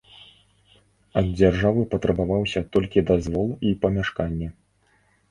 Ад дзяржавы патрабаваўся толькі дазвол і памяшканне.